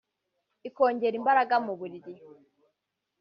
ikongera imbaraga mu mubiri